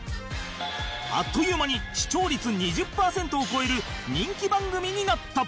あっという間に視聴率２０パーセントを超える人気番組になった！